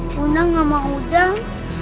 punah gak mau udang